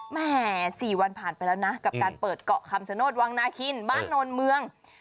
แหม๔วันผ่านไปแล้วนะกับการเปิดเกาะคำชโนธวังนาคินบ้านโนนเมือง